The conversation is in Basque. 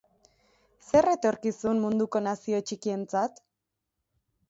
Zer etorkizun munduko nazio txikientzat?